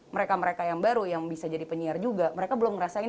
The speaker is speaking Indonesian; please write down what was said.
mereka mereka yang baru yang bisa jadi penyiar juga mereka belum ngerasain